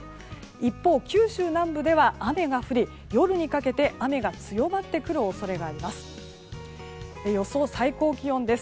一方、九州南部では雨が降り夜にかけて雨が強まってくる恐れがあります。